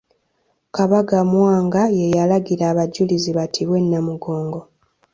Kabaka Mwanga ye yalagira abajulizi battibwe e Namugongo.